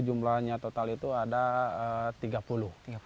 jumlahnya total itu ada tiga puluh